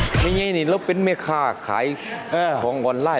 แหละมีไงนิ่งเวียกเป็นแม่ค้าขายของออนไลน์